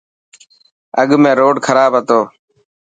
اڳ ۾ روڊ کراب هتو.